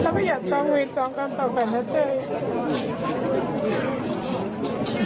แล้วก็อย่าจ้องเวทจ้องกรรมต่อกันนะเต้ย